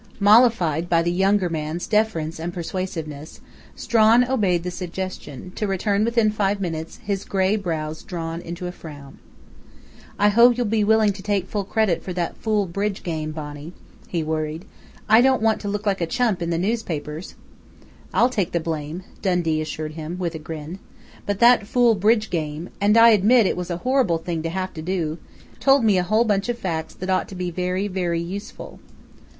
Mollified by the younger man's deference and persuasiveness, Strawn obeyed the suggestion, to return within five minutes, his grey brows drawn into a frown. "I hope you'll be willing to take full credit for that fool bridge game, Bonnie," he worried. "I don't want to look a chump in the newspapers!" "I'll take the blame," Dundee assured him, with a grin. "But that 'fool bridge game' and I admit it was a horrible thing to have to do told me a whole bunch of facts that ought to be very, very useful."